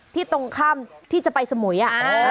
ที่ตรงข้ามที่จะไปสมุยอ่ะ